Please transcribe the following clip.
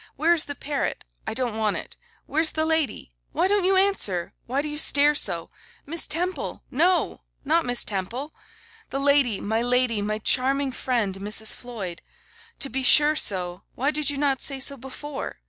Where is the parrot? I don't want it. Where's the lady? Why don't you answer? Why do you stare so? Miss Temple! no! not Miss Temple! The lady, my lady, my charming friend, Mrs. Floyd! To be sure so; why did not you say so before?